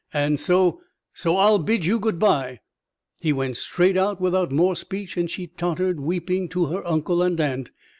And so so I'll bid you good bye!" He went straight out without more speech; and she tottered, weeping, to her uncle and aunt.